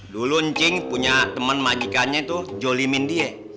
dulu ncing punya temen majikannya tuh zolimin dia